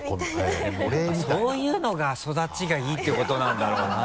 やっぱそういうのが育ちがいいっていうことなんだろうな。